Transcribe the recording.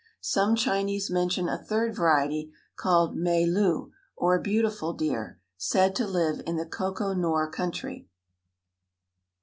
Some Chinese mention a third variety, called mei lu, or "beautiful deer," said to live in the Koko Nor country.